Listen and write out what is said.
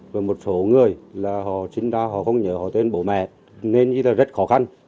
và một số người là họ sinh ra họ không nhớ họ tên bố mẹ nên rất khó khăn